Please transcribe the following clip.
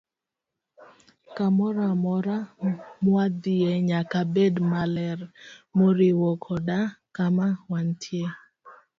Kamoro amora mwadhiye nyaka bed maler, moriwo koda kama wantie.